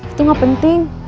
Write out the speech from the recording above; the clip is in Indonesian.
itu gak penting